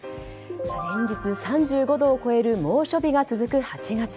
連日、３５度を超える猛暑日が続く８月。